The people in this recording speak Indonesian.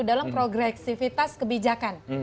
dalam progresivitas kebijakan